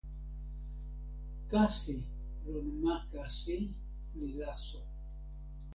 kasi lon ma kasi li laso